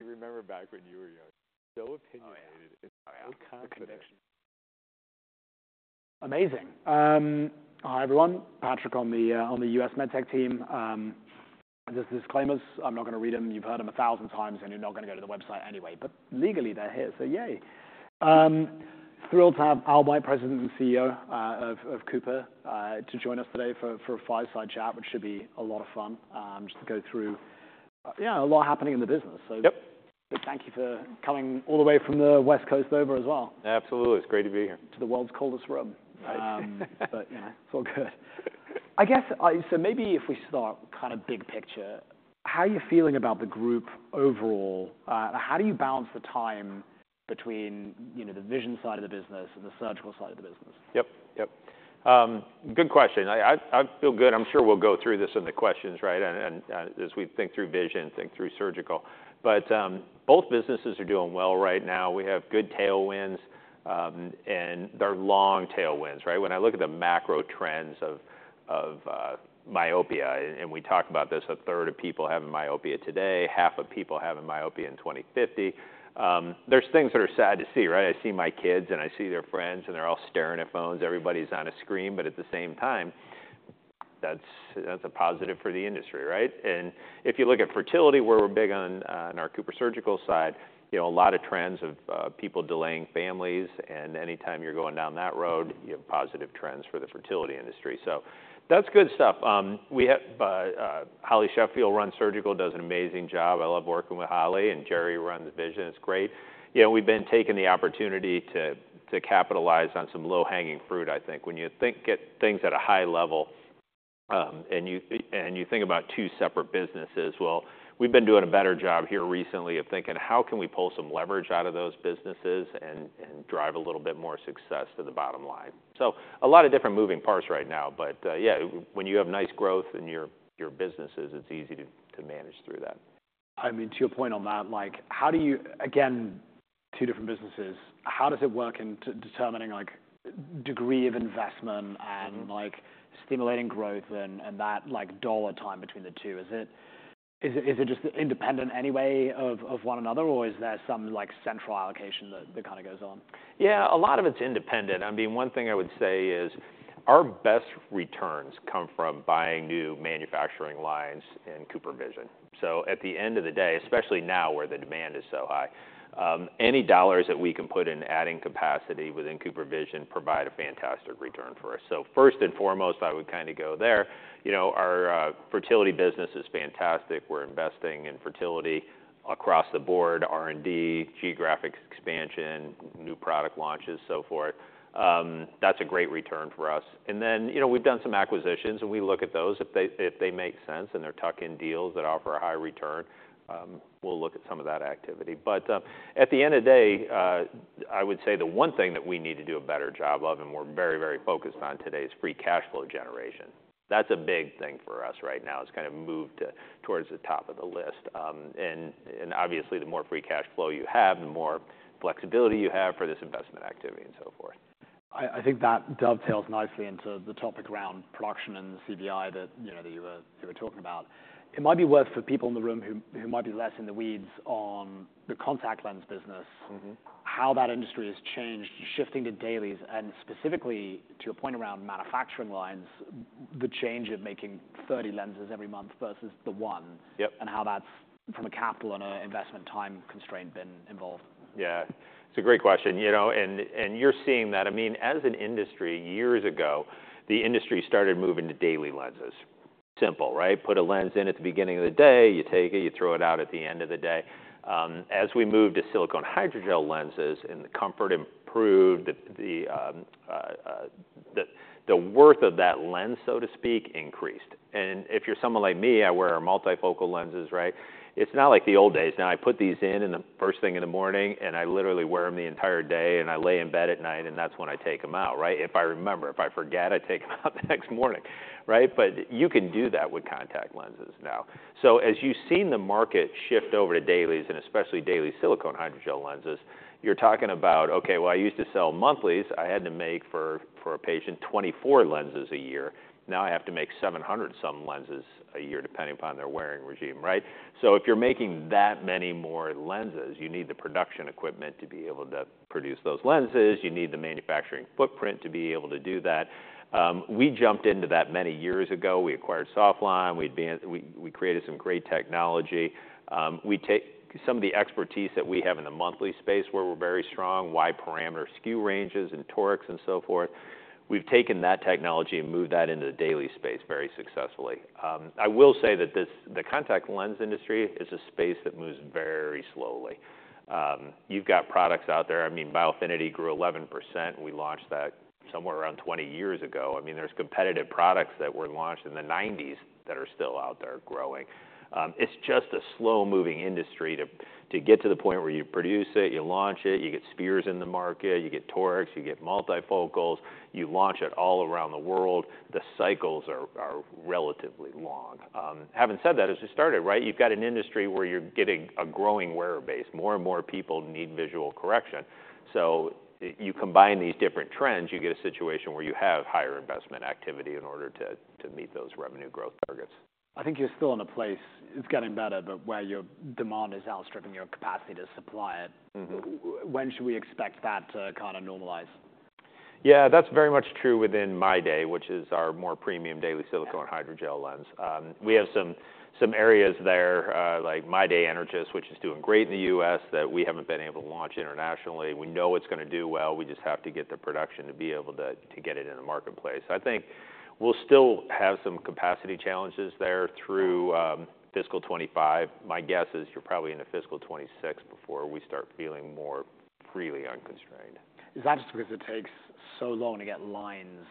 You remember back when you were young, so opinionated and so confident. Amazing. Hi, everyone, Patrick on the U.S. MedTech team. There's disclaimers. I'm not gonna read them. You've heard them a thousand times, and you're not gonna go to the website anyway, but legally, they're here, so yay! Thrilled to have Al White, President and CEO of Cooper, to join us today for a fireside chat, which should be a lot of fun. Just to go through a lot happening in the business. Yep. So thank you for coming all the way from the West Coast over as well. Absolutely. It's great to be here. To the world's coldest room. Right. Yeah, it's all good. I guess, so maybe if we start kinda big picture, how are you feeling about the group overall? How do you balance the time between, you know, the vision side of the business and the surgical side of the business? Yep, yep. Good question. I feel good. I'm sure we'll go through this in the questions, right? And as we think through vision, think through surgical. But both businesses are doing well right now. We have good tailwinds, and they're long tailwinds, right? When I look at the macro trends of myopia, and we talk about this, a third of people having myopia today, half of people having myopia in 2050. There's things that are sad to see, right? I see my kids, and I see their friends, and they're all staring at phones. Everybody's on a screen, but at the same time, that's a positive for the industry, right? And if you look at fertility, where we're big on, on our CooperSurgical side, you know, a lot of trends of people delaying families, and anytime you're going down that road, you have positive trends for the fertility industry. So that's good stuff. We have Holly Sheffield runs Surgical, does an amazing job. I love working with Holly, and Jerry runs Vision. It's great. You know, we've been taking the opportunity to capitalize on some low-hanging fruit, I think. When you think at things at a high level, and you think about two separate businesses, well, we've been doing a better job here recently of thinking: How can we pull some leverage out of those businesses and drive a little bit more success to the bottom line? So a lot of different moving parts right now, but, yeah, when you have nice growth in your businesses, it's easy to manage through that. I mean, to your point on that, like, how do you... Again, two different businesses. How does it work in terms of determining, like, degree of investment and- Mm-hmm... like, stimulating growth and that, like, dollar time between the two? Is it just independent anyway of one another, or is there some, like, central allocation that kinda goes on? Yeah, a lot of it's independent. I mean, one thing I would say is our best returns come from buying new manufacturing lines in CooperVision. So at the end of the day, especially now, where the demand is so high, any dollars that we can put in adding capacity within CooperVision provide a fantastic return for us. So first and foremost, I would kinda go there. You know, our fertility business is fantastic. We're investing in fertility across the board: R&D, geographic expansion, new product launches, so forth. That's a great return for us. And then, you know, we've done some acquisitions, and we look at those. If they make sense, and they're tuck-in deals that offer a high return, we'll look at some of that activity. But, at the end of the day, I would say the one thing that we need to do a better job of, and we're very, very focused on today, is Free Cash Flow generation. That's a big thing for us right now. It's kind of moved towards the top of the list. And obviously, the more Free Cash Flow you have, the more flexibility you have for this investment activity, and so forth. I think that dovetails nicely into the topic around production and CVI that, you know, you were talking about. It might be worth for people in the room who might be less in the weeds on the contact lens business- Mm-hmm... how that industry has changed, shifting to dailies, and specifically, to your point around manufacturing lines, the change of making 30 lenses every month versus the one- Yep... and how that's, from a capital and a investment time constraint, been involved. Yeah, it's a great question, you know, and you're seeing that. I mean, as an industry, years ago, the industry started moving to daily lenses. Simple, right? Put a lens in at the beginning of the day, you take it, you throw it out at the end of the day. As we moved to silicone hydrogel lenses, and the comfort improved, the worth of that lens, so to speak, increased. And if you're someone like me, I wear multifocal lenses, right? It's not like the old days. Now, I put these in first thing in the morning, and I literally wear them the entire day, and I lay in bed at night, and that's when I take them out, right? If I remember. If I forget, I take them out the next morning. Right? But you can do that with contact lenses now. So as you've seen the market shift over to dailies, and especially daily silicone hydrogel lenses, you're talking about, okay, well, I used to sell monthlies. I had to make for a patient 24 lenses a year. Now, I have to make seven hundred some lenses a year, depending upon their wearing regime, right? So if you're making that many more lenses, you need the production equipment to be able to produce those lenses. You need the manufacturing footprint to be able to do that. We jumped into that many years ago. We acquired Sauflon. We advanced. We created some great technology. We take some of the expertise that we have in the monthly space, where we're very strong, wide parameter sphere ranges and torics and so forth. We've taken that technology and moved that into the daily space very successfully. I will say that this, the contact lens industry is a space that moves very slowly. You've got products out there. I mean, Biofinity grew 11%. We launched that somewhere around 20 years ago. I mean, there's competitive products that were launched in the 1990s that are still out there growing. It's just a slow-moving industry to get to the point where you produce it, you launch it, you get spheres in the market, you get torics, you get multifocals, you launch it all around the world. The cycles are relatively long. Having said that, as we started, right, you've got an industry where you're getting a growing wearer base. More and more people need visual correction. So you combine these different trends, you get a situation where you have higher investment activity in order to meet those revenue growth targets. I think you're still in a place, it's getting better, but where your demand is outstripping your capacity to supply it. Mm-hmm. When should we expect that to kinda normalize?... Yeah, that's very much true within MyDay, which is our more premium daily silicone hydrogel lens. We have some areas there, like MyDay Energys, which is doing great in the U.S., that we haven't been able to launch internationally. We know it's gonna do well. We just have to get the production to be able to get it in the marketplace. I think we'll still have some capacity challenges there through fiscal 2025. My guess is you're probably into fiscal 2026 before we start feeling more freely unconstrained. Is that just because it takes so long to get lines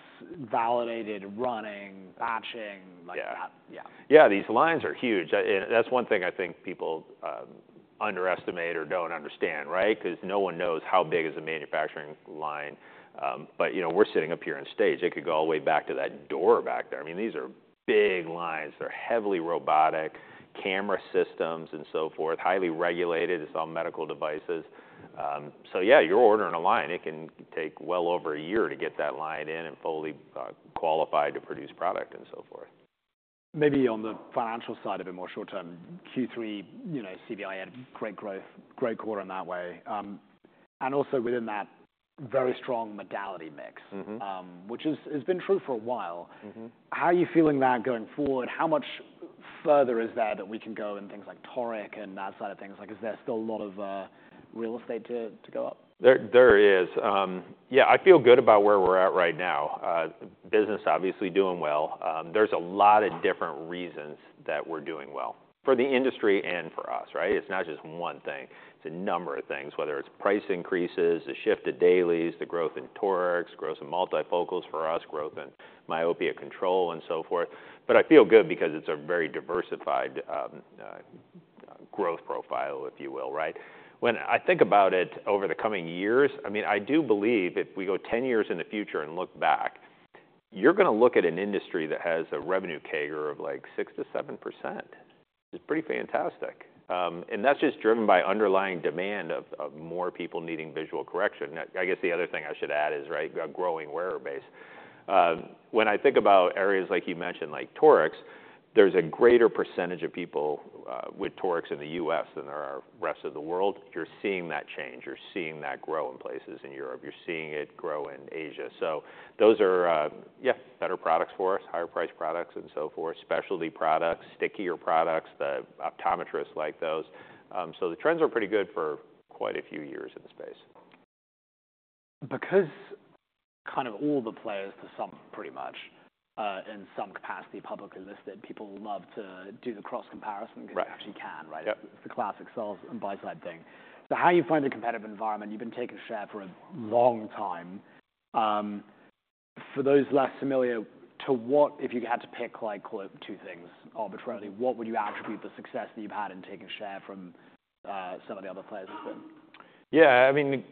validated, running, batching, like that? Yeah. Yeah. Yeah, these lines are huge, and that's one thing I think people underestimate or don't understand, right? 'Cause no one knows how big is a manufacturing line, but you know, we're sitting up here on stage. It could go all the way back to that door back there. I mean, these are big lines. They're heavily robotic, camera systems and so forth, highly regulated. It's all medical devices, so yeah, you're ordering a line. It can take well over a year to get that line in and fully qualified to produce product and so forth. Maybe on the financial side of a more short-term Q3, you know, CVI had great growth, great quarter in that way, and also within that very strong modality mix- Mm-hmm... which is, has been true for a while. Mm-hmm. How are you feeling that going forward? How much further is that we can go in things like toric and that side of things? Like, is there still a lot of real estate to go up? Yeah, I feel good about where we're at right now. Business obviously doing well. There's a lot of different reasons that we're doing well, for the industry and for us, right? It's not just one thing, it's a number of things, whether it's price increases, the shift to dailies, the growth in torics, growth in multifocals for us, growth in myopia control, and so forth. But I feel good because it's a very diversified growth profile, if you will, right? When I think about it over the coming years, I mean, I do believe if we go 10 years in the future and look back, you're gonna look at an industry that has a revenue CAGR of, like, 6%-7%. It's pretty fantastic, and that's just driven by underlying demand of more people needing visual correction. I guess the other thing I should add is, right, a growing wearer base. When I think about areas like you mentioned, like torics, there's a greater percentage of people with torics in the U.S. than there are rest of the world. You're seeing that change, you're seeing that grow in places in Europe. You're seeing it grow in Asia. So those are, yeah, better products for us, higher priced products and so forth, specialty products, stickier products, the optometrists like those. So the trends are pretty good for quite a few years in the space. Because kind of all the players to some pretty much, in some capacity, publicly listed, people love to do the cross comparison. Right... because you actually can, right? Yep. It's a classic sell and buy side thing. So how do you find the competitive environment? You've been taking share for a long time. For those less familiar, to what... If you had to pick, like, two things arbitrarily, what would you attribute the success that you've had in taking share from some of the other players as well? Yeah, I mean,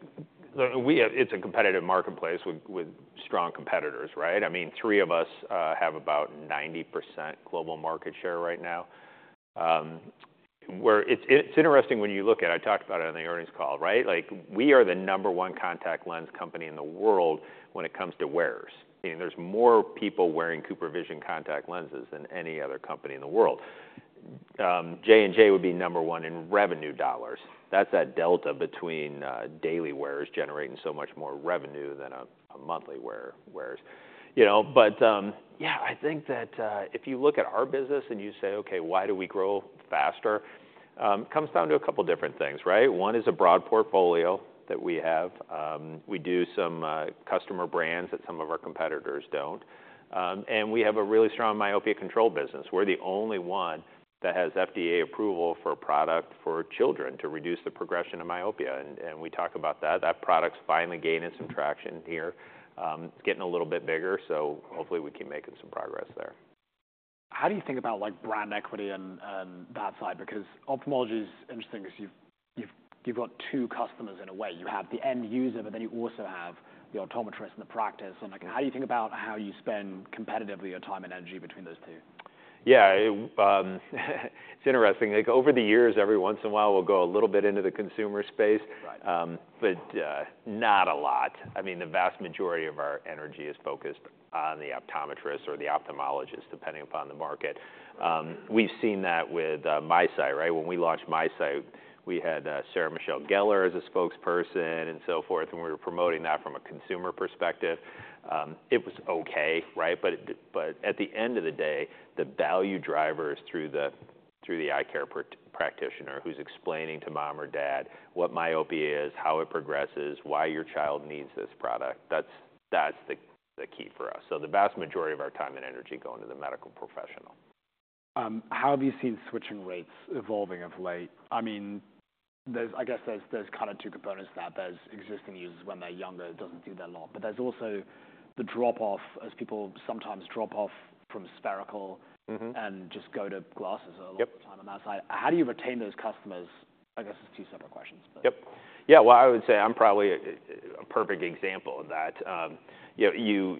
it's a competitive marketplace with, with strong competitors, right? I mean, three of us have about 90% global market share right now. Where it's, it's interesting when you look at, I talked about it on the earnings call, right? Like, we are the number one contact lens company in the world when it comes to wearers. I mean, there's more people wearing CooperVision contact lenses than any other company in the world. J&J would be number one in revenue dollars. That's that delta between daily wearers generating so much more revenue than a monthly wearer wears. You know, but yeah, I think that if you look at our business and you say, "Okay, why do we grow faster?" It comes down to a couple of different things, right? One is a broad portfolio that we have. We do some customer brands that some of our competitors don't, and we have a really strong myopia control business. We're the only one that has FDA approval for a product for children to reduce the progression of myopia, and we talk about that. That product's finally gaining some traction here. It's getting a little bit bigger, so hopefully we keep making some progress there. How do you think about, like, brand equity and that side? Because ophthalmology is interesting because you've got two customers in a way. You have the end user, but then you also have the optometrist and the practice. And, like, how do you think about how you spend competitively, your time and energy between those two? Yeah, it's interesting. Like, over the years, every once in a while, we'll go a little bit into the consumer space- Right... but, not a lot. I mean, the vast majority of our energy is focused on the optometrist or the ophthalmologist, depending upon the market. We've seen that with MiSight, right? When we launched MiSight, we had Sarah Michelle Gellar as a spokesperson and so forth, and we were promoting that from a consumer perspective. It was okay, right? But at the end of the day, the value driver is through the eye care practitioner, who's explaining to mom or dad what myopia is, how it progresses, why your child needs this product. That's the key for us. The vast majority of our time and energy go into the medical professional. How have you seen switching rates evolving of late? I mean, I guess there's kind of two components to that. There's existing users when they're younger, it doesn't do that a lot, but there's also the drop-off, as people sometimes drop off from spherical- Mm-hmm... and just go to glasses a lot of the time on that side. Yep. How do you retain those customers? I guess it's two separate questions, but- Yep. Yeah, well, I would say I'm probably a perfect example of that. You know,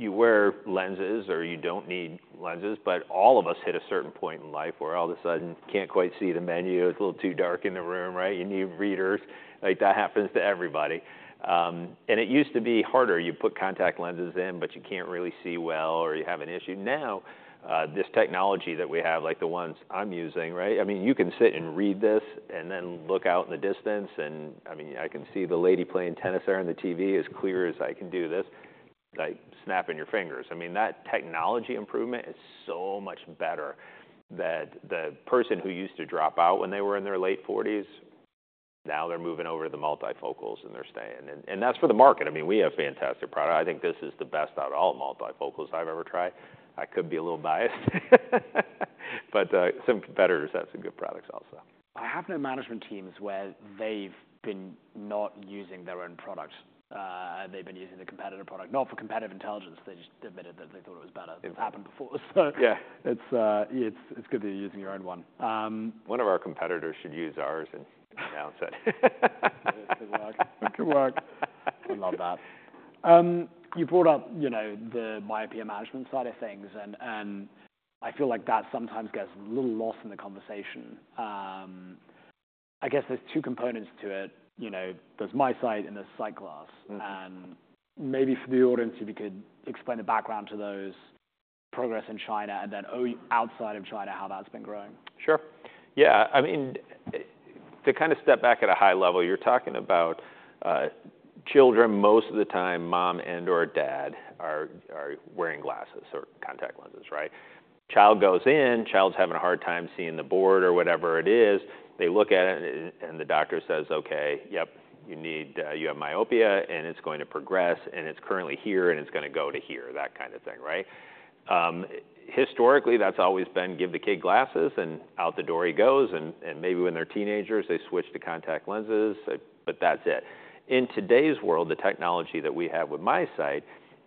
you wear lenses or you don't need lenses, but all of us hit a certain point in life where all of a sudden, can't quite see the menu. It's a little too dark in the room, right? You need readers. Like, that happens to everybody, and it used to be harder. You put contact lenses in, but you can't really see well or you have an issue. Now, this technology that we have, like the ones I'm using, right? I mean, you can sit and read this and then look out in the distance, and, I mean, I can see the lady playing tennis there on the TV as clear as I can do this... like snapping your fingers. I mean, that technology improvement is so much better, that the person who used to drop out when they were in their late forties, now they're moving over to the multifocals, and they're staying, and that's for the market. I mean, we have fantastic product. I think this is the best out of all multifocals I've ever tried. I could be a little biased, but some competitors have some good products also. I have known management teams where they've been not using their own product, and they've been using the competitor product, not for competitive intelligence. They just admitted that they thought it was better. It- It's happened before, so- Yeah. It's good that you're using your own one. One of our competitors should use ours and announce it. It could work. It could work. I love that. You brought up, you know, the myopia management side of things, and, and I feel like that sometimes gets a little lost in the conversation. I guess there's two components to it. You know, there's MiSight and there's SightGlass. Mm-hmm. Maybe for the audience, if you could explain the background to those progress in China, and then outside of China, how that's been growing. Sure. Yeah. I mean, to kind of step back at a high level, you're talking about children, most of the time, mom and/or dad are wearing glasses or contact lenses, right? Child goes in, child's having a hard time seeing the board or whatever it is. They look at it, and the doctor says, "Okay, yep, you need... You have myopia, and it's going to progress, and it's currently here, and it's gonna go to here." That kind of thing, right? Historically, that's always been give the kid glasses, and out the door he goes, and maybe when they're teenagers, they switch to contact lenses, but that's it. In today's world, the technology that we have with MiSight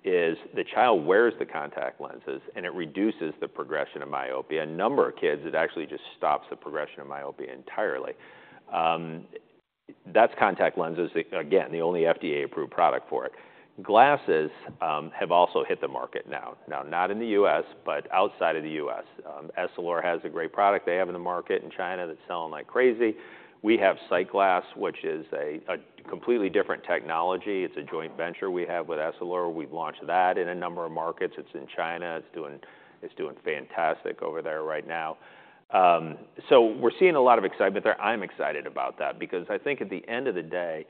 is the child wears the contact lenses, and it reduces the progression of myopia. A number of kids, it actually just stops the progression of myopia entirely. That's contact lenses, again, the only FDA-approved product for it. Glasses have also hit the market now. Now, not in the U.S., but outside of the US. Essilor has a great product they have in the market in China that's selling like crazy. We have SightGlass, which is a completely different technology. It's a joint venture we have with Essilor. We've launched that in a number of markets. It's in China. It's doing fantastic over there right now. So we're seeing a lot of excitement there. I'm excited about that because I think at the end of the day,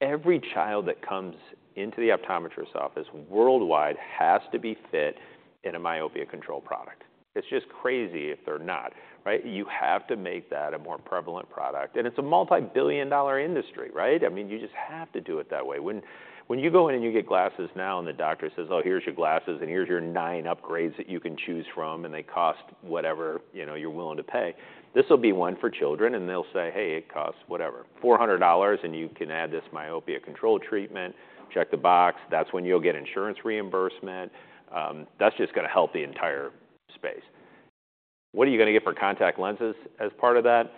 every child that comes into the optometrist's office worldwide has to be fit in a myopia control product. It's just crazy if they're not, right? You have to make that a more prevalent product, and it's a multi-billion dollar industry, right? I mean, you just have to do it that way. When you go in and you get glasses now, and the doctor says, "Oh, here's your glasses, and here's your nine upgrades that you can choose from, and they cost whatever, you know, you're willing to pay," this will be one for children, and they'll say, "Hey, it costs whatever, $400, and you can add this myopia control treatment." Check the box. That's when you'll get insurance reimbursement. That's just gonna help the entire space. What are you gonna get for contact lenses as part of that?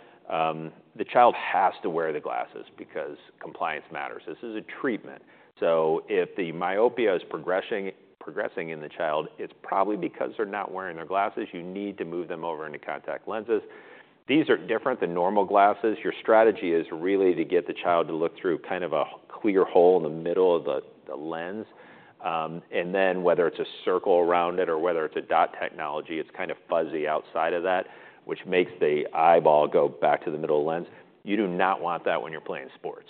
The child has to wear the glasses because compliance matters. This is a treatment, so if the myopia is progressing in the child, it's probably because they're not wearing their glasses. You need to move them over into contact lenses. These are different than normal glasses. Your strategy is really to get the child to look through kind of a clear hole in the middle of the lens. And then, whether it's a circle around it or whether it's a dot technology, it's kind of fuzzy outside of that, which makes the eyeball go back to the middle lens. You do not want that when you're playing sports.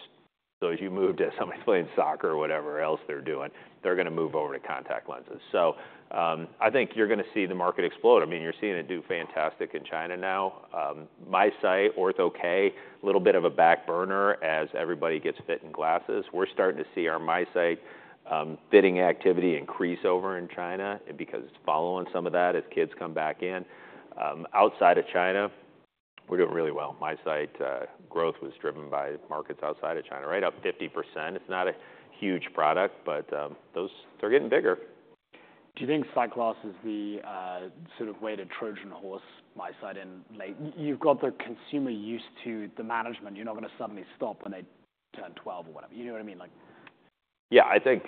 So as you move to somebody playing soccer or whatever else they're doing, they're gonna move over to contact lenses. So, I think you're gonna see the market explode. I mean, you're seeing it do fantastic in China now. MiSight, Ortho-K, little bit of a back burner as everybody gets fit in glasses. We're starting to see our MiSight fitting activity increase over in China because it's following some of that as kids come back in. Outside of China, we're doing really well. MiSight growth was driven by markets outside of China, right up 50%. It's not a huge product, but those, they're getting bigger. Do you think SightGlass is the sort of way to Trojan Horse MiSight in late... You've got the consumer used to the management. You're not gonna suddenly stop when they turn twelve or whatever. You know what I mean, like? Yeah, I think,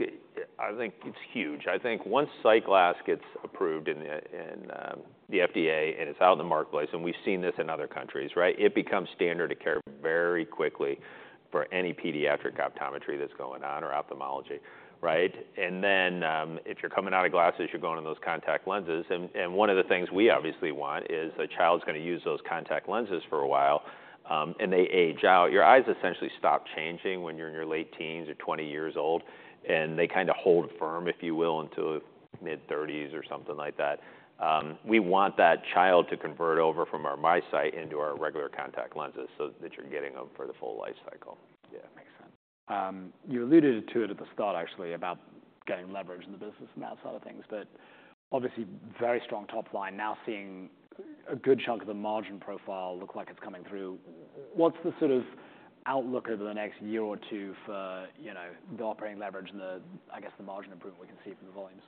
I think it's huge. I think once SightGlass gets approved in the FDA, and it's out in the marketplace, and we've seen this in other countries, right? It becomes standard of care very quickly for any pediatric optometry that's going on, or ophthalmology, right? And then, if you're coming out of glasses, you're going on those contact lenses. And, and one of the things we obviously want is the child's gonna use those contact lenses for a while, and they age out. Your eyes essentially stop changing when you're in your late teens or 20 years old, and they kinda hold firm, if you will, until mid-thirties or something like that. We want that child to convert over from our MiSight into our regular contact lenses so that you're getting them for the full life cycle. Yeah, makes sense. You alluded to it at the start, actually, about getting leverage in the business from that side of things, but obviously, very strong top line. Now, seeing a good chunk of the margin profile look like it's coming through, what's the sort of outlook over the next year or two for, you know, the operating leverage and the, I guess, the margin improvement we can see from the volumes?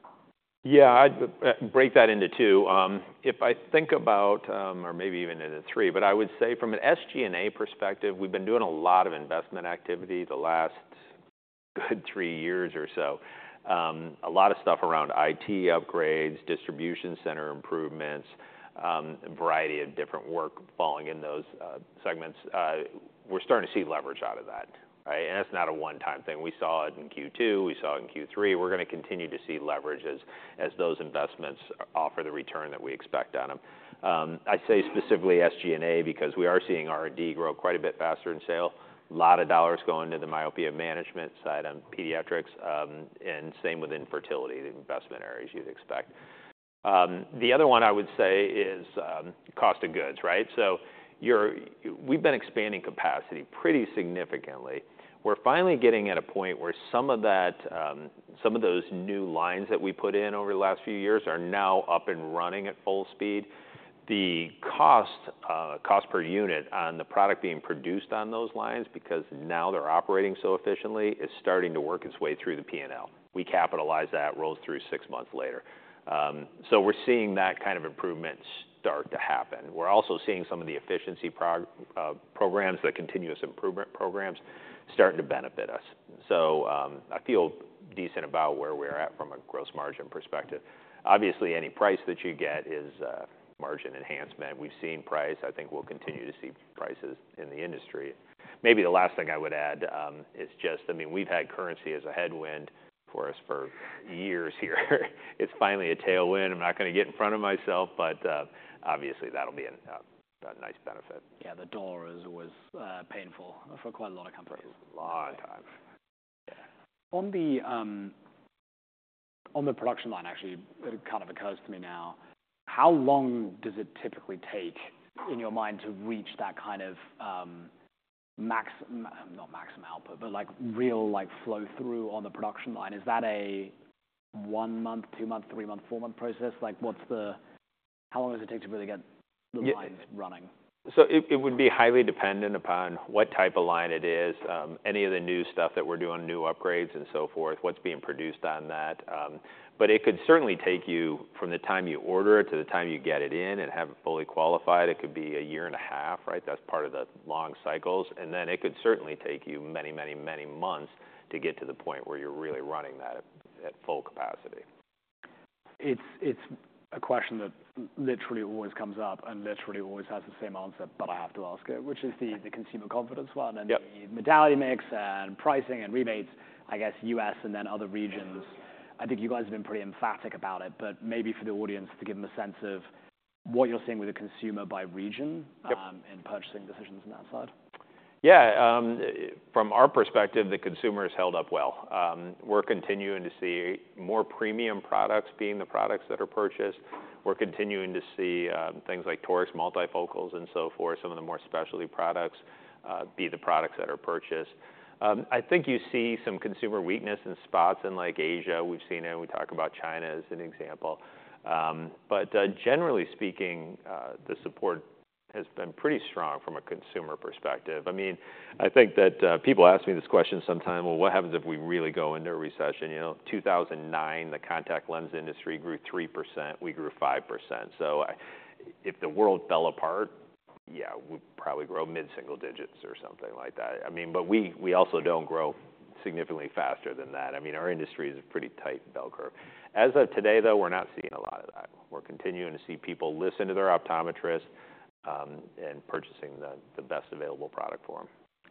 Yeah, I'd break that into two. If I think about, or maybe even into three, but I would say from an SG&A perspective, we've been doing a lot of investment activity the last good three years or so. A lot of stuff around IT upgrades, distribution center improvements, a variety of different work falling in those segments. We're starting to see leverage out of that, right? And that's not a one-time thing. We saw it in Q2. We saw it in Q3. We're gonna continue to see leverage as those investments offer the return that we expect on them. I'd say specifically SG&A, because we are seeing R&D grow quite a bit faster than sales. A lot of dollars going to the myopia management side on pediatrics, and same with infertility, the investment areas you'd expect. The other one I would say is, cost of goods, right? So we've been expanding capacity pretty significantly. We're finally getting at a point where some of that, some of those new lines that we put in over the last few years are now up and running at full speed. The cost per unit on the product being produced on those lines, because now they're operating so efficiently, is starting to work its way through the P&L. We capitalize that, rolls through six months later. So we're seeing that kind of improvement start to happen. We're also seeing some of the efficiency programs, the continuous improvement programs, starting to benefit us. So, I feel decent about where we're at from a gross margin perspective. Obviously, any price that you get is a margin enhancement. We've seen price, I think we'll continue to see prices in the industry. Maybe the last thing I would add, is just, I mean, we've had currency as a headwind for us for years here. It's finally a tailwind. I'm not gonna get in front of myself, but, obviously that'll be an, a nice benefit. Yeah, the dollar is always painful for quite a lot of companies. A lot of times. On the production line, actually, it kind of occurs to me now, how long does it typically take, in your mind, to reach that kind of, max- not maximum output, but like, real, like, flow through on the production line? Is that a one-month, two-month, three-month, four-month process? Like, what's the... How long does it take to really get the lines running? So it would be highly dependent upon what type of line it is, any of the new stuff that we're doing, new upgrades and so forth, what's being produced on that. But it could certainly take you, from the time you order it to the time you get it in and have it fully qualified, it could be a year and a half, right? That's part of the long cycles. And then it could certainly take you many, many, many months to get to the point where you're really running that at full capacity. It's a question that literally always comes up and literally always has the same answer, but I have to ask it, which is the consumer confidence one- Yep... And the medallion mix and pricing and rebates, I guess US and then other regions. I think you guys have been pretty emphatic about it, but maybe for the audience, to give them a sense of what you're seeing with the consumer by region- Yep and purchasing decisions on that side. Yeah, from our perspective, the consumer has held up well. We're continuing to see more premium products being the products that are purchased. We're continuing to see, things like Toric, multifocals, and so forth, some of the more specialty products, be the products that are purchased. I think you see some consumer weakness in spots in, like, Asia. We've seen it, we talk about China as an example. But, generally speaking, the support has been pretty strong from a consumer perspective. I mean, I think that, people ask me this question sometimes: "Well, what happens if we really go into a recession?" You know, 2009, the contact lens industry grew 3%, we grew 5%. So if the world fell apart, yeah, we'd probably grow mid-single digits or something like that. I mean, but we also don't grow significantly faster than that. I mean, our industry is a pretty tight bell curve. As of today, though, we're not seeing a lot of that. We're continuing to see people listen to their optometrists and purchasing the best available product for them.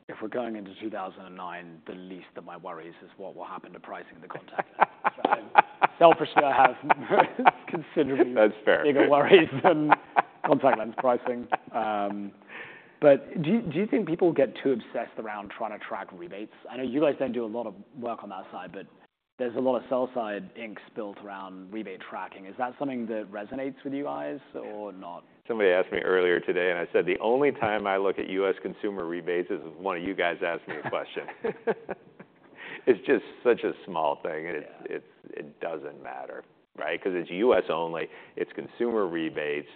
If we're going into 2009, the least of my worries is what will happen to pricing of the contact lens so selfishly, I have considerably- That's fair... bigger worries than contact lens pricing. But do you think people get too obsessed around trying to track rebates? I know you guys don't do a lot of work on that side, but there's a lot of sell-side ink spilled around rebate tracking. Is that something that resonates with you guys or not? Somebody asked me earlier today, and I said, "The only time I look at U.S. consumer rebates is if one of you guys asks me a question." It's just such a small thing, and it- Yeah... it doesn't matter, right? Because it's U.S. only, it's consumer rebates.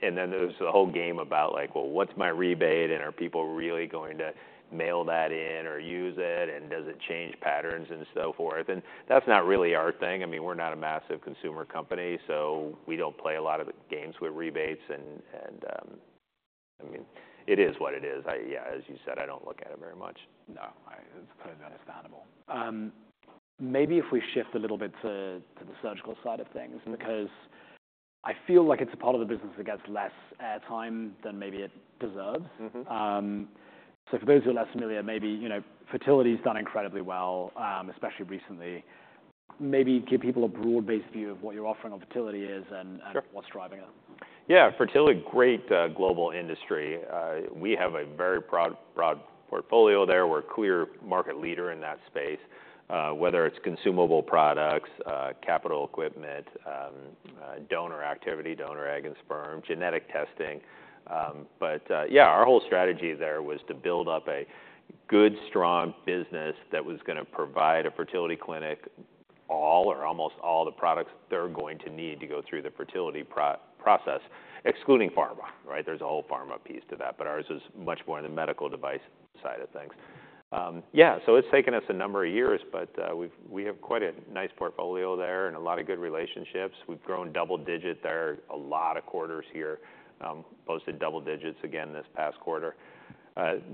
There's the whole game about, like, well, what's my rebate, and are people really going to mail that in or use it, and does it change patterns, and so forth? That's not really our thing. I mean, we're not a massive consumer company, so we don't play a lot of games with rebates. I mean, it is what it is. Yeah, as you said, I don't look at it very much. No, it's totally understandable. Maybe if we shift a little bit to the surgical side of things- Mm-hmm... because I feel like it's a part of the business that gets less airtime than maybe it deserves. Mm-hmm. So for those who are less familiar, maybe, you know, fertility has done incredibly well, especially recently. Maybe give people a broad-based view of what your offering on fertility is and, Sure... what's driving it. Yeah, fertility, great, global industry. We have a very broad, broad portfolio there. We're a clear market leader in that space, whether it's consumable products, capital equipment, donor activity, donor egg and sperm, genetic testing. But, yeah, our whole strategy there was to build up a good, strong business that was gonna provide a fertility clinic, all or almost all the products they're going to need to go through the fertility process, excluding pharma, right? There's a whole pharma piece to that, but ours is much more on the medical device side of things. Yeah, so it's taken us a number of years, but, we have quite a nice portfolio there and a lot of good relationships. We've grown double digit there, a lot of quarters here, posted double digits again this past quarter.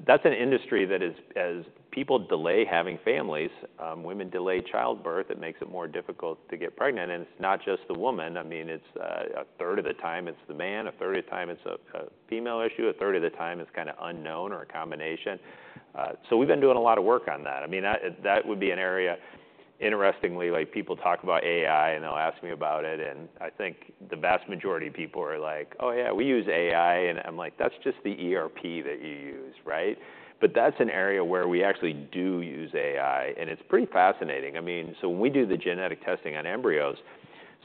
That's an industry that is, as people delay having families, women delay childbirth, it makes it more difficult to get pregnant. And it's not just the woman. I mean, it's a third of the time it's the man, a third of the time it's a female issue, a third of the time it's kinda unknown or a combination. So we've been doing a lot of work on that. I mean, that would be an area. Interestingly, like, people talk about AI, and they'll ask me about it, and I think the vast majority of people are like: "Oh, yeah, we use AI." And I'm like: "That's just the ERP that you use, right?" But that's an area where we actually do use AI, and it's pretty fascinating. I mean, so when we do the genetic testing on embryos...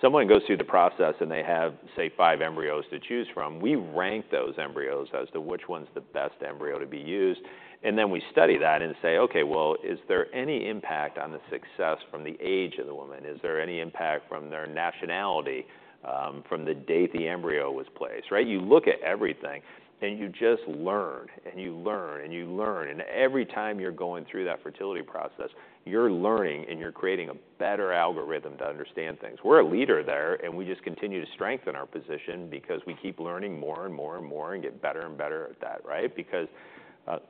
Someone goes through the process, and they have, say, five embryos to choose from. We rank those embryos as to which one's the best embryo to be used, and then we study that and say, "Okay, well, is there any impact on the success from the age of the woman? Is there any impact from their nationality, from the date the embryo was placed," right? You look at everything, and you just learn, and you learn, and you learn, and every time you're going through that fertility process, you're learning and you're creating a better algorithm to understand things. We're a leader there, and we just continue to strengthen our position because we keep learning more, and more, and more, and get better, and better at that, right? Because,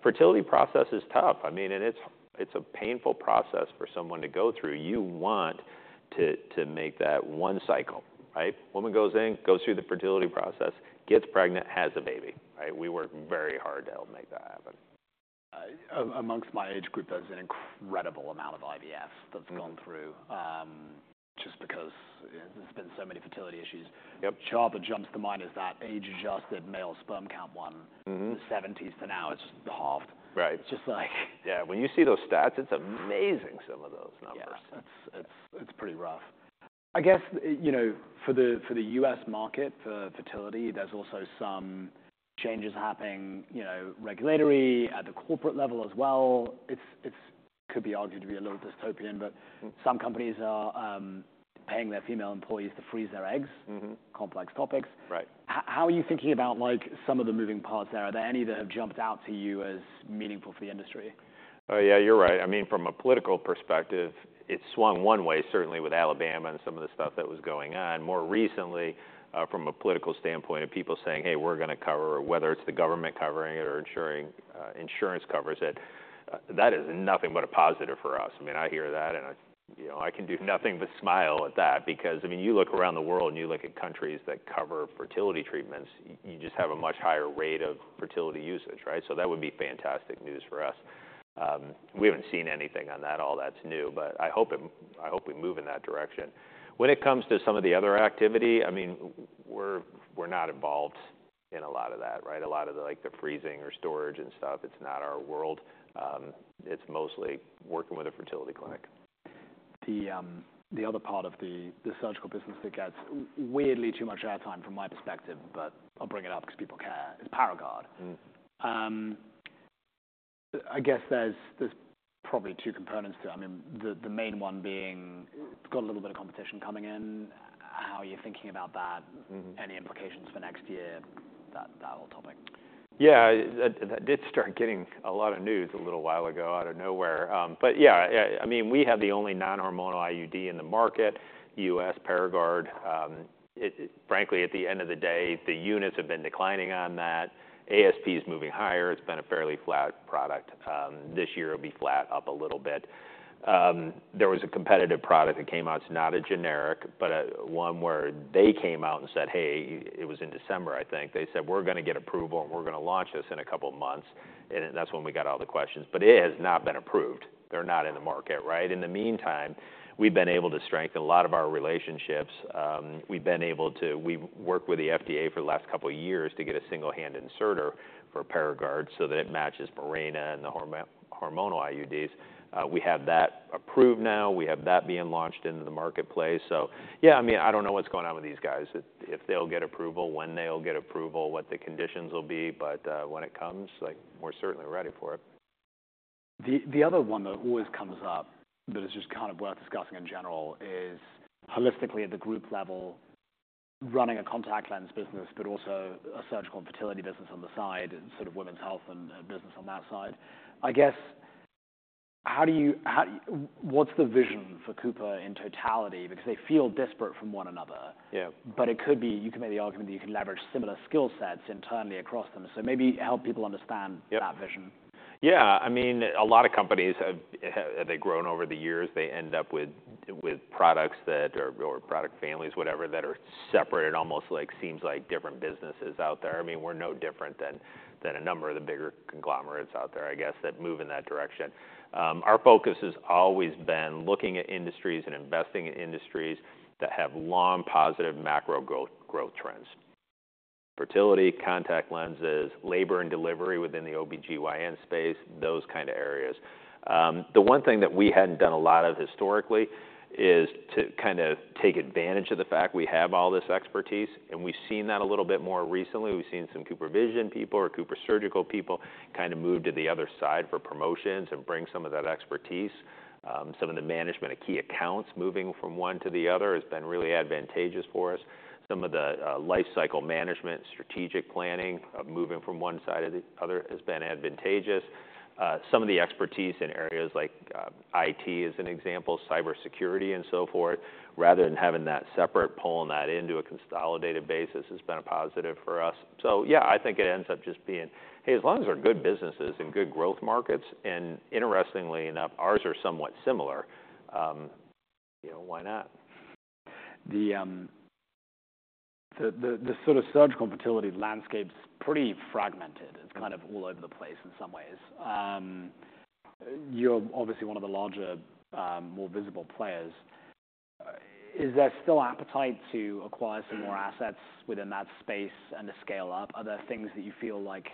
fertility process is tough. I mean, and it's, it's a painful process for someone to go through. You want to make that one cycle, right? Woman goes in, goes through the fertility process, gets pregnant, has a baby, right? We work very hard to help make that happen. Among my age group, there's an incredible amount of IVF that's- Mm... gone through, just because there's been so many fertility issues. Yep. The chart that jumps to mind is that age-adjusted male sperm count one. Mm-hmm. Seventies to now, it's just halved. Right. It's just like Yeah, when you see those stats, it's amazing, some of those numbers. Yeah, it's pretty rough. I guess, you know, for the US market, for fertility, there's also some changes happening, you know, regulatory at the corporate level as well. It could be argued to be a little dystopian, but- Mm... some companies are, paying their female employees to freeze their eggs. Mm-hmm. Complex topics. Right. How are you thinking about, like, some of the moving parts there? Are there any that have jumped out to you as meaningful for the industry? Oh, yeah, you're right. I mean, from a political perspective, it swung one way, certainly with Alabama and some of the stuff that was going on. More recently, from a political standpoint of people saying, "Hey, we're gonna cover," whether it's the government covering it or ensuring insurance covers it, that is nothing but a positive for us. I mean, I hear that, and I, you know, I can do nothing but smile at that because, I mean, you look around the world, and you look at countries that cover fertility treatments, you just have a much higher rate of fertility usage, right? So that would be fantastic news for us. We haven't seen anything on that. All that's new, but I hope it- I hope we move in that direction. When it comes to some of the other activity, I mean, we're not involved in a lot of that, right? A lot of the like, the freezing or storage and stuff, it's not our world. It's mostly working with a fertility clinic. The other part of the surgical business that gets weirdly too much air time from my perspective, but I'll bring it up because people care, is Paragard. Mm. I guess there's probably two components to it. I mean, the main one being, got a little bit of competition coming in. How are you thinking about that? Mm-hmm. Any implications for next year? That whole topic. Yeah, that did start getting a lot of news a little while ago out of nowhere. But yeah, I mean, we have the only non-hormonal IUD in the market, U.S. Paragard. It, frankly, at the end of the day, the units have been declining on that. ASP is moving higher. It's been a fairly flat product. This year, it'll be flat, up a little bit. There was a competitive product that came out. It's not a generic, but one where they came out and said, "Hey..." It was in December, I think. They said, "We're gonna get approval, and we're gonna launch this in a couple of months," and then that's when we got all the questions, but it has not been approved. They're not in the market, right? In the meantime, we've been able to strengthen a lot of our relationships. We've worked with the FDA for the last couple of years to get a single hand inserter for Paragard so that it matches Mirena and the hormonal IUDs. We have that approved now. We have that being launched into the marketplace. So yeah, I mean, I don't know what's going on with these guys, if they'll get approval, when they'll get approval, what the conditions will be, but when it comes, like, we're certainly ready for it. The other one that always comes up, that is just kind of worth discussing in general, is holistically at the group level, running a contact lens business, but also a surgical and fertility business on the side, and sort of women's health and business on that side. I guess, what's the vision for Cooper in totality? Because they feel disparate from one another. Yeah. But it could be, you can make the argument that you can leverage similar skill sets internally across them. So maybe help people understand- Yep... that vision. Yeah. I mean, a lot of companies have grown over the years, they end up with products that... or product families, whatever, that are separated, almost like, seems like different businesses out there. I mean, we're no different than a number of the bigger conglomerates out there, I guess, that move in that direction. Our focus has always been looking at industries and investing in industries that have long, positive macro growth trends. Fertility, contact lenses, labor and delivery within the OB/GYN space, those kind of areas. The one thing that we hadn't done a lot of historically is to kind of take advantage of the fact we have all this expertise, and we've seen that a little bit more recently. We've seen some CooperVision people or CooperSurgical people kind of move to the other side for promotions and bring some of that expertise. Some of the management of key accounts, moving from one to the other, has been really advantageous for us. Some of the life cycle management, strategic planning, moving from one side to the other has been advantageous. Some of the expertise in areas like IT, as an example, cybersecurity and so forth, rather than having that separate, pulling that into a consolidated basis has been a positive for us. So yeah, I think it ends up just being, "Hey, as long as they're good businesses and good growth markets," and interestingly enough, ours are somewhat similar, you know, why not? The sort of surgical and fertility landscape's pretty fragmented. Mm. It's kind of all over the place in some ways. You're obviously one of the larger, more visible players. Is there still appetite to acquire some more- Mm... assets within that space and to scale up? Are there things that you feel like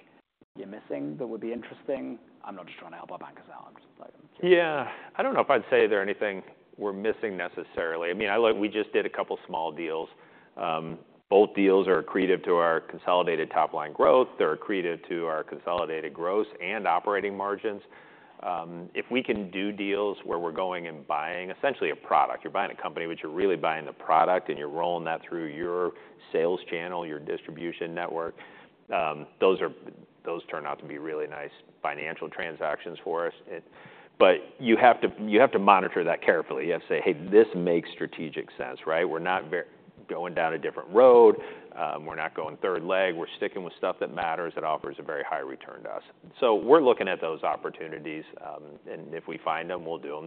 you're missing that would be interesting? I'm not just trying to help our bankers out, but- Yeah, I don't know if I'd say there's anything we're missing necessarily. I mean, I look, we just did a couple small deals. Both deals are accretive to our consolidated top-line growth. They're accretive to our consolidated growth and operating margins. If we can do deals where we're going and buying essentially a product, you're buying a company, but you're really buying the product, and you're rolling that through your sales channel, your distribution network, those turn out to be really nice financial transactions for us. But you have to, you have to monitor that carefully. You have to say, "Hey, this makes strategic sense," right? We're not going down a different road. We're not going third leg. We're sticking with stuff that matters, that offers a very high return to us. So we're looking at those opportunities, and if we find them, we'll do them.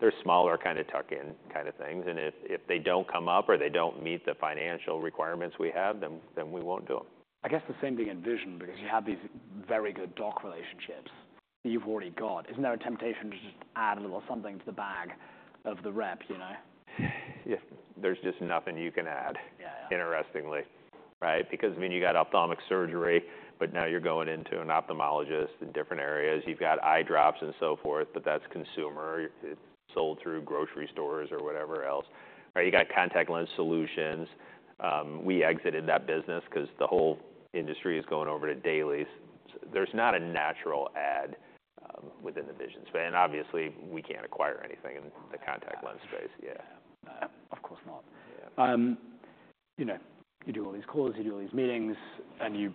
They're smaller, kind of tuck-in kind of things, and if they don't come up or they don't meet the financial requirements we have, then we won't do them. I guess the same thing in vision, because you have these very good doc relationships that you've already got. Isn't there a temptation to just add a little something to the bag of the rep, you know? Yeah. There's just nothing you can add- Yeah... interestingly, right? Because, I mean, you got ophthalmic surgery, but now you're going into an ophthalmologist in different areas. You've got eye drops and so forth, but that's consumer. It's sold through grocery stores or whatever else, right? You got contact lens solutions. We exited that business 'cause the whole industry is going over to dailies. There's not a natural adjacency within the vision space. And obviously, we can't acquire anything in the contact lens space. Yeah. Of course not. Yeah. You know, you do all these calls, you do all these meetings, and you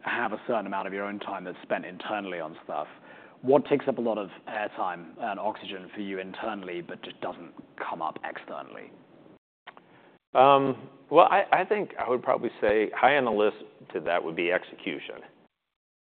have a certain amount of your own time that's spent internally on stuff. What takes up a lot of air time and oxygen for you internally, but just doesn't come up externally? Well, I think I would probably say high on the list to that would be execution,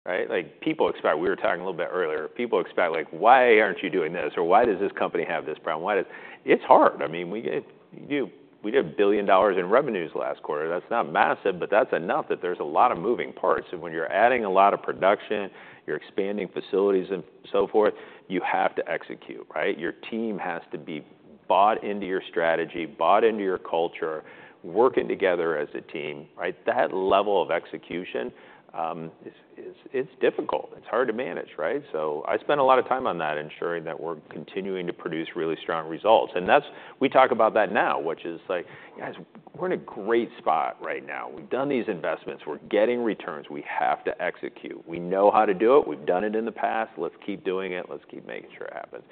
right? Like, people expect. We were talking a little bit earlier, people expect, like, "Why aren't you doing this?" Or, "Why does this company have this problem? Why does..." It's hard. I mean, we did $1 billion in revenues last quarter. That's not massive, but that's enough that there's a lot of moving parts. And when you're adding a lot of production, you're expanding facilities and so forth, you have to execute, right? Your team has to be bought into your strategy, bought into your culture, working together as a team, right? That level of execution is difficult. It's hard to manage, right? So I spend a lot of time on that, ensuring that we're continuing to produce really strong results. We talk about that now, which is like, "Guys, we're in a great spot right now. We've done these investments. We're getting returns. We have to execute. We know how to do it. We've done it in the past. Let's keep doing it. Let's keep making sure it happens."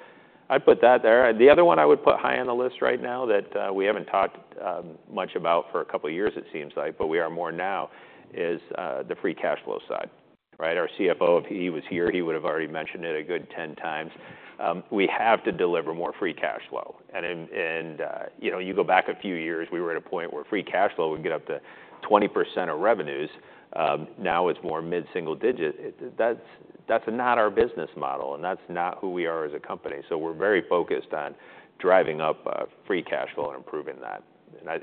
I'd put that there. The other one I would put high on the list right now that we haven't talked much about for a couple of years, it seems like, but we are more now, is the Free Cash Flow side, right? Our CFO, if he was here, he would have already mentioned it a good 10 times. We have to deliver more Free Cash Flow. And you know, you go back a few years, we were at a point where Free Cash Flow would get up to 20% of revenues. Now it's more mid-single digit. That's not our business model, and that's not who we are as a company. So we're very focused on driving up free cash flow and improving that.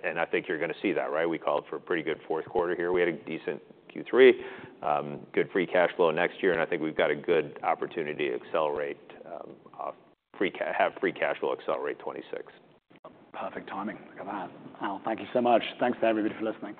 And I think you're gonna see that, right? We called for a pretty good fourth quarter here. We had a decent Q3, good free cash flow next year, and I think we've got a good opportunity to have free cash flow accelerate 2026. Perfect timing. Look at that. Al, thank you so much. Thanks to everybody for listening.